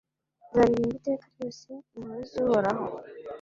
Nzaririmba iteka ryose impuhwe z’Uhoraho